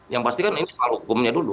yang pasti kan ini soal hukumnya dulu